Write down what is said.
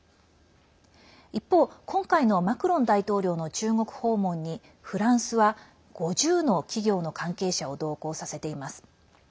一方、今回のマクロン大統領の中国訪問にフランスは５０の企業の関係者を同行させています。